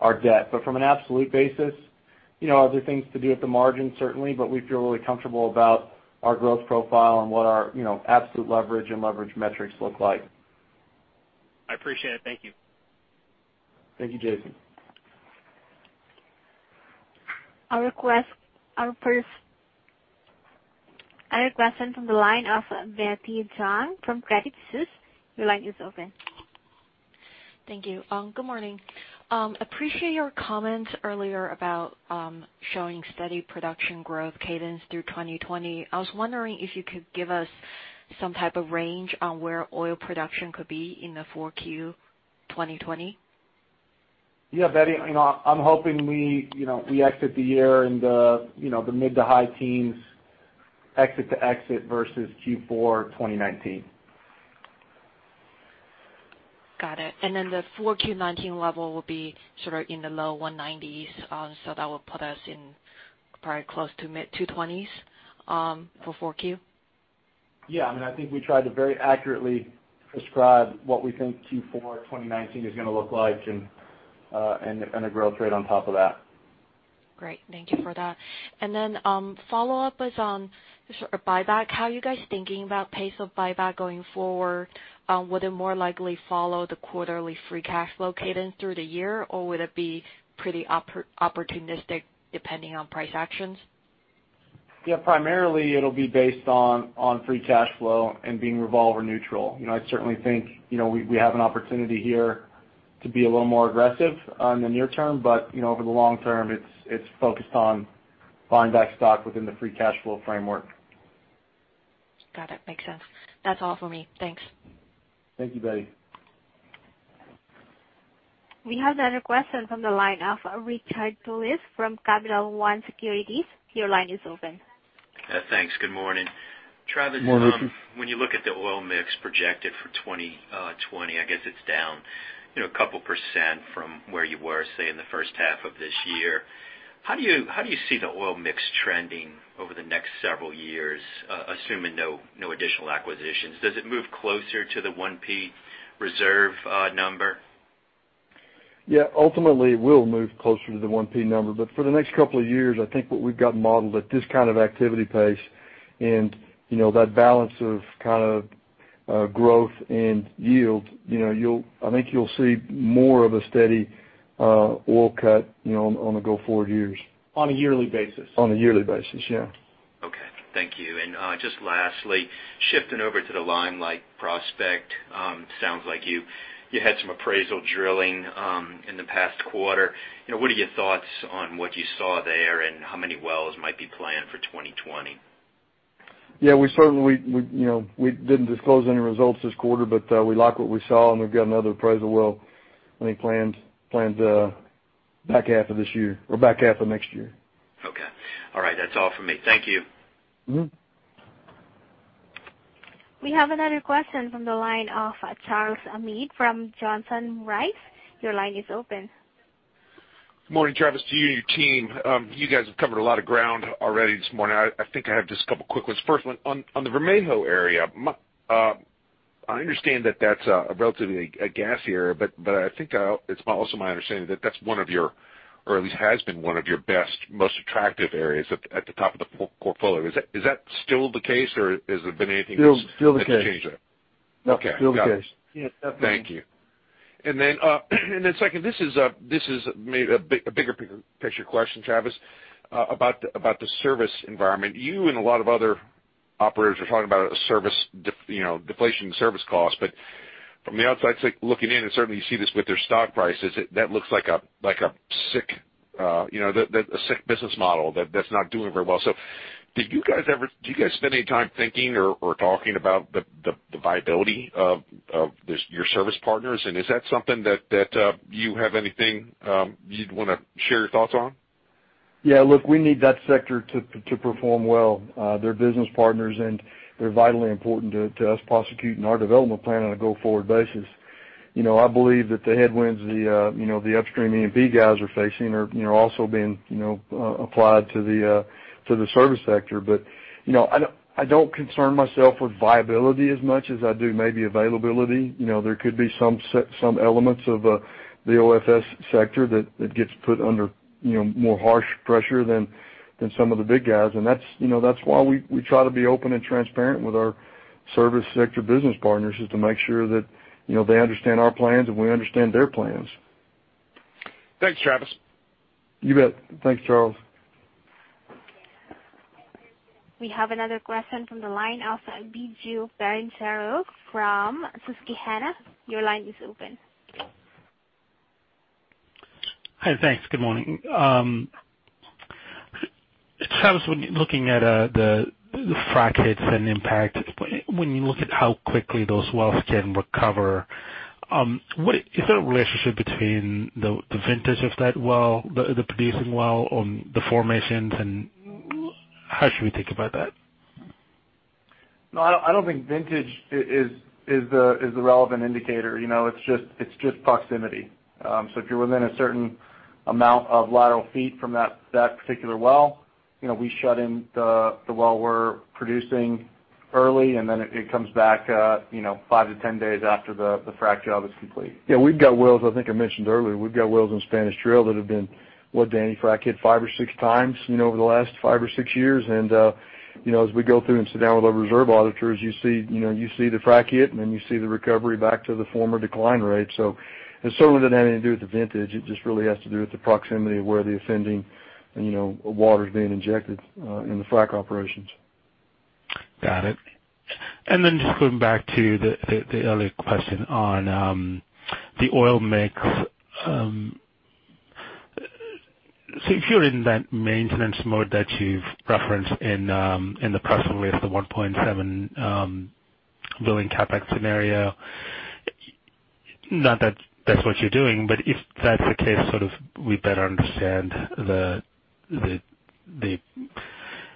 our debt. From an absolute basis, there are things to do at the margin, certainly, but we feel really comfortable about our growth profile and what our absolute leverage and leverage metrics look like. I appreciate it. Thank you. Thank you, Jason. Our request from the line of Betty Zhang from Credit Suisse, your line is open. Thank you. Good morning. Appreciate your comments earlier about showing steady production growth cadence through 2020. I was wondering if you could give us some type of range on where oil production could be in the 4Q 2020. Yeah, Betty, I'm hoping we exit the year in the mid to high teens exit to exit versus Q4 2019. Got it. The 4Q 2019 level will be sort of in the low 190s. That will put us in probably close to mid 220s for 4Q? Yeah, I think we tried to very accurately prescribe what we think Q4 2019 is going to look like and a growth rate on top of that. Great. Thank you for that. Follow-up was on buyback. How are you guys thinking about pace of buyback going forward? Would it more likely follow the quarterly free cash flow cadence through the year, or would it be pretty opportunistic depending on price actions? Yeah, primarily it'll be based on free cash flow and being revolver neutral. I certainly think we have an opportunity here to be a little more aggressive on the near term, but over the long term, it's focused on buying back stock within the free cash flow framework. Got it. Makes sense. That's all for me. Thanks. Thank you, Betty. We have another question from the line of Richard Lewis from Capital One Securities. Your line is open. Thanks. Good morning. Morning. Travis, when you look at the oil mix projected for 2020, I guess it's down a couple of % from where you were, say, in the first half of this year. How do you see the oil mix trending over the next several years, assuming no additional acquisitions? Does it move closer to the 1P reserve number? Yeah, ultimately, it will move closer to the 1P number. For the next couple of years, I think what we've got modeled at this kind of activity pace and that balance of growth and yield, I think you'll see more of a steady oil cut on the go-forward years. On a yearly basis. On a yearly basis, yeah. Okay. Thank you. Just lastly, shifting over to the Limelight prospect, sounds like you had some appraisal drilling in the past quarter. What are your thoughts on what you saw there, and how many wells might be planned for 2020? Yeah, we didn't disclose any results this quarter, but we like what we saw, and we've got another appraisal well planned back half of next year. Okay. All right. That's all for me. Thank you. We have another question from the line of Charles Meade from Johnson Rice. Your line is open. Good morning, Travis, to you and your team. You guys have covered a lot of ground already this morning. I think I have just a couple of quick ones. First one, on the Vermejo area. I understand that that's a relatively gassier, but I think it's also my understanding that that's one of your, or at least has been one of your best, most attractive areas at the top of the portfolio. Is that still the case, or has there been anything? Still the case. that's changed that? Still the case. Yeah, definitely. Thank you. Second, this is maybe a bigger picture question, Travis, about the service environment. You and a lot of other operators are talking about deflation service costs. From the outside looking in, and certainly you see this with their stock prices, that looks like a sick business model that's not doing very well. Do you guys spend any time thinking or talking about the viability of your service partners? Is that something that you have anything you'd want to share your thoughts on? Yeah, look, we need that sector to perform well. They're business partners, and they're vitally important to us prosecuting our development plan on a go-forward basis. I believe that the headwinds the upstream E&P guys are facing are also being applied to the service sector. I don't concern myself with viability as much as I do maybe availability. There could be some elements of the OFS sector that gets put under more harsh pressure than some of the big guys. That's why we try to be open and transparent with our service sector business partners, is to make sure that they understand our plans and we understand their plans. Thanks, Travis. You bet. Thanks, Charles. We have another question from the line of Bijan Zarrab from Susquehanna. Your line is open. Hi. Thanks. Good morning. Travis, when looking at the frac hits and impact, when you look at how quickly those wells can recover, is there a relationship between the vintage of that well, the producing well on the formations, and how should we think about that? I don't think vintage is the relevant indicator. It's just proximity. If you're within a certain amount of lateral feet from that particular well, we shut in the well we're producing early, and then it comes back five to 10 days after the frac job is complete. Yeah, we've got wells, I think I mentioned earlier, we've got wells in Spanish Trail that have been, what Danny, frac hit five or six times, over the last five or six years. As we go through and sit down with our reserve auditors, you see the frac hit, and then you see the recovery back to the former decline rate. It certainly doesn't have anything to do with the vintage. It just really has to do with the proximity of where the offending water's being injected in the frac operations. Got it. Just going back to the earlier question on the oil mix. If you're in that maintenance mode that you've referenced in the press release, the $1.7 billion CapEx scenario, not that that's what you're doing, but if that's the case, we better understand the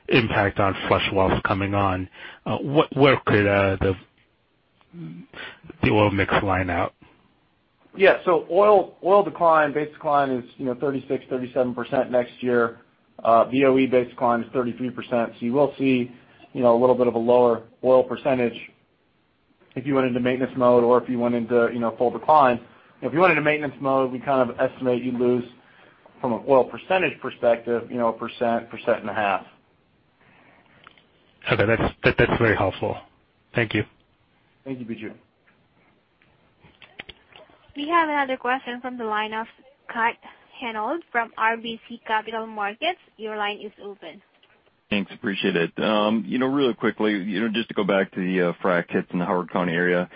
impact on flush wells coming on. Where could the oil mix line up? Yeah. Oil decline, base decline is 36%, 37% next year. BOE base decline is 33%. You will see a little bit of a lower oil percentage if you went into maintenance mode or if you went into full decline. If you went into maintenance mode, we kind of estimate you'd lose, from an oil percentage perspective, 1.5%. Okay. That's very helpful. Thank you. Thank you, Bijan. We have another question from the line of Scott Hanold from RBC Capital Markets. Your line is open. Thanks. Appreciate it. Really quickly, just to go back to the frac hits in the Howard County area.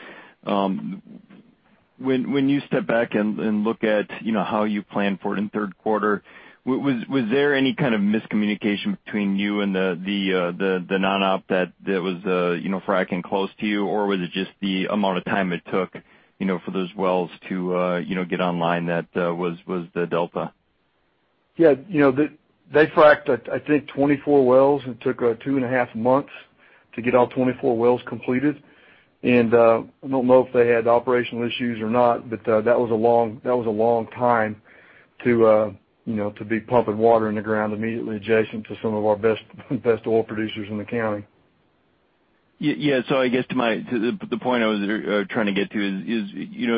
When you step back and look at how you plan for it in third quarter, was there any kind of miscommunication between you and the non-op that was fracking close to you? Was it just the amount of time it took for those wells to get online that was the delta? Yeah. They fracked, I think, 24 wells. It took two and a half months to get all 24 wells completed. I don't know if they had operational issues or not, but that was a long time to be pumping water in the ground immediately adjacent to some of our best oil producers in the county. Yeah. I guess to the point I was trying to get to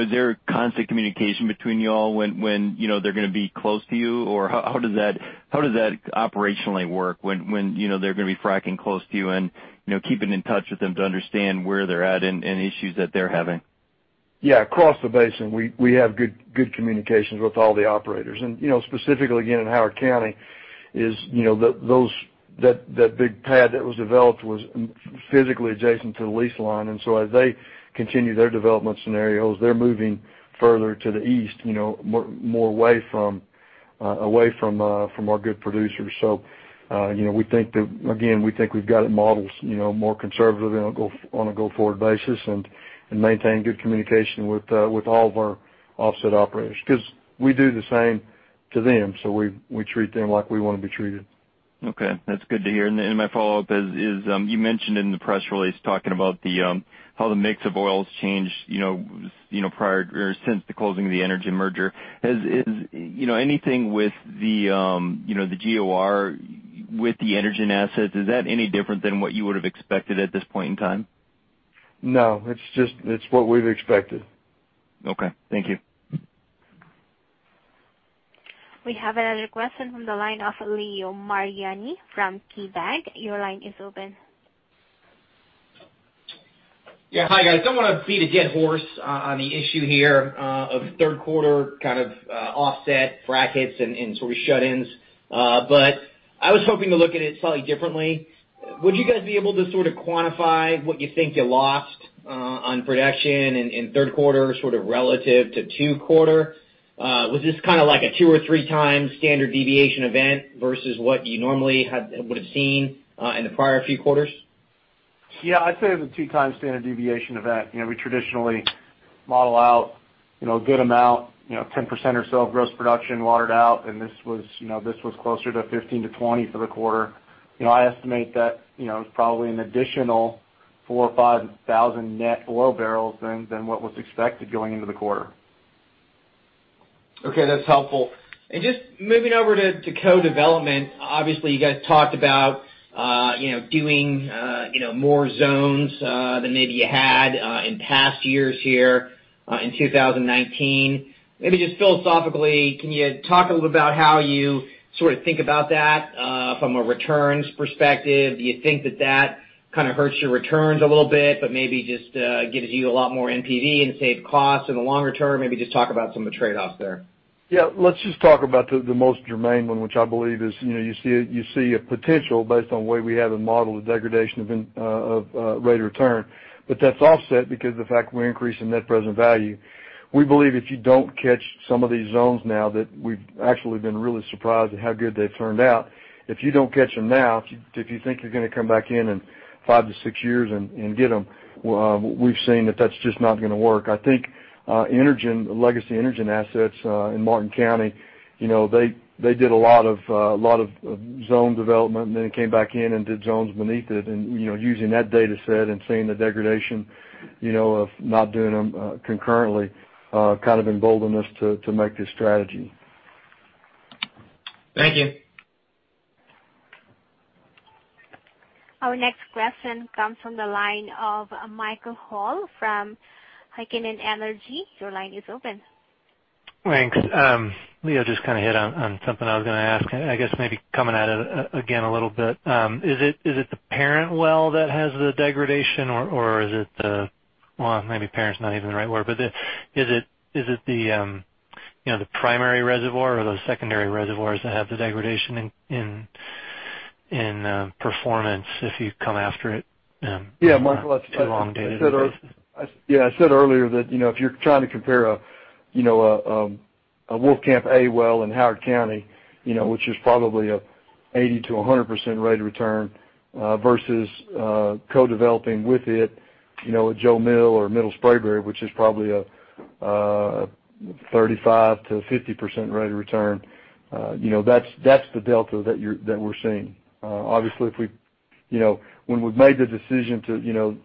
is there a constant communication between you all when they're going to be close to you? How does that operationally work when they're going to be fracking close to you and keeping in touch with them to understand where they're at and issues that they're having? Yeah. Across the basin, we have good communications with all the operators. Specifically, again, in Howard County is that big pad that was developed was physically adjacent to the lease line. As they continue their development scenarios, they're moving further to the east, more away from our good producers. Again, we think we've got it modeled more conservative on a go forward basis and maintain good communication with all of our offset operators because we do the same to them. We treat them like we want to be treated. Okay. That's good to hear. My follow-up is, you mentioned in the press release talking about how the mix of oil's changed since the closing of the Energen merger. Has anything with the GOR with the Energen assets, is that any different than what you would've expected at this point in time? No. It's what we've expected. Okay. Thank you. We have another question from the line of Leo Mariani from KeyBanc. Your line is open. Yeah. Hi, guys. Don't want to beat a dead horse on the issue here of third quarter kind of offset frac hits and sort of shut-ins, but I was hoping to look at it slightly differently. Would you guys be able to sort of quantify what you think you lost on production in third quarter sort of relative to two quarter? Was this kind of like a two or three times standard deviation event versus what you normally would've seen in the prior few quarters? I'd say it was a two times standard deviation event. We traditionally model out a good amount, 10% or so of gross production watered out, and this was closer to 15%-20% for the quarter. I estimate that it was probably an additional 4,000 or 5,000 net oil barrels than what was expected going into the quarter. Okay, that's helpful. Just moving over to co-development, obviously you guys talked about doing more zones than maybe you had in past years here in 2019. Maybe just philosophically, can you talk a little bit about how you sort of think about that? From a returns perspective, do you think that that kind of hurts your returns a little bit, but maybe just gives you a lot more NPV and saved costs in the longer term? Maybe just talk about some of the trade-offs there. Let's just talk about the most germane one, which I believe is, you see a potential based on the way we have it modeled, the degradation of rate of return. That's offset because of the fact we're increasing net present value. We believe if you don't catch some of these zones now, that we've actually been really surprised at how good they've turned out. If you don't catch them now, if you think you're going to come back in in five to six years and get them, we've seen that that's just not going to work. I think Legacy Energen assets in Martin County, they did a lot of zone development, and then came back in and did zones beneath it, and using that data set and seeing the degradation of not doing them concurrently, kind of emboldened us to make this strategy. Thank you. Our next question comes from the line of Michael Hall from Heikkinen Energy. Your line is open. Thanks. Leo just hit on something I was going to ask, I guess maybe coming at it again a little bit. Is it the parent well that has the degradation, or is it the Well, maybe parent's not even the right word, but is it the primary reservoir or those secondary reservoirs that have the degradation in performance if you come after it too long? Yeah, Michael, I said earlier that if you're trying to compare a Wolfcamp A well in Howard County, which is probably a 80%-100% rate of return, versus co-developing with it, a Jo Mill or Middle Spraberry, which is probably a 35%-50% rate of return, that's the delta that we're seeing. Obviously, when we made the decision to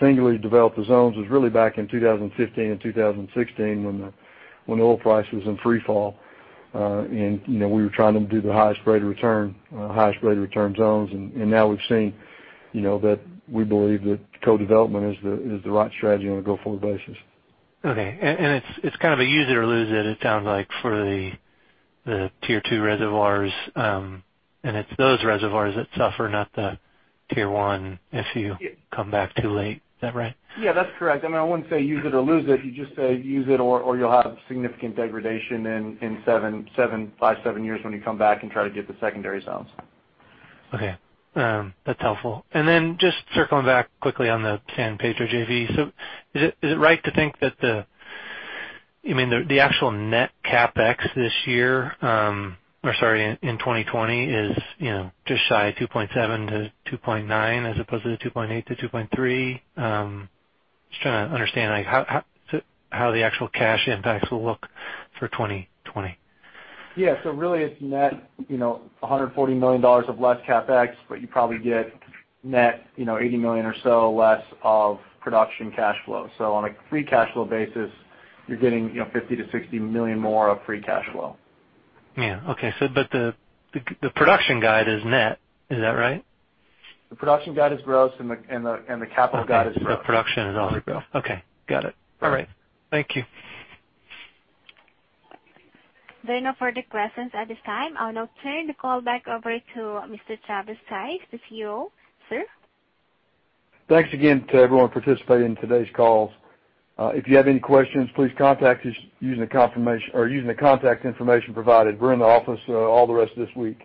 singularly develop the zones was really back in 2015 and 2016 when the oil price was in free fall. We were trying to do the highest rate of return zones. Now we've seen that we believe that co-development is the right strategy on a go-forward basis. Okay. It's kind of a use it or lose it sounds like, for the tier 2 reservoirs. It's those reservoirs that suffer, not the tier 1, if you come back too late. Is that right? Yeah, that's correct. I wouldn't say use it or lose it. You just say use it or you'll have significant degradation in five, seven years when you come back and try to get the secondary zones. Okay. That's helpful. Just circling back quickly on the Carlyle JV. Is it right to think that the actual net CapEx this year, or sorry, in 2020, is just shy of $2.7-$2.9 as opposed to the $2.8-$2.3? Just trying to understand how the actual cash impacts will look for 2020. Yeah. Really it's net $140 million of less CapEx, but you probably get net $80 million or so less of production cash flow. On a free cash flow basis, you're getting $50 million-$60 million more of free cash flow. Yeah. Okay. The production guide is net, is that right? The production guide is gross and the capital guide is gross. Okay. The production is all gross. Okay. Got it. All right. Thank you. There are no further questions at this time. I'll now turn the call back over to Mr. Travis Stice, the CEO. Sir? Thanks again to everyone participating in today's call. If you have any questions, please contact us using the contact information provided. We're in the office all the rest of this week.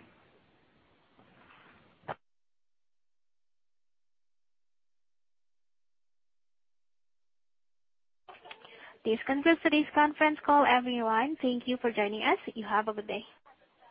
This concludes today's conference call. Everyone, thank you for joining us. You have a good day.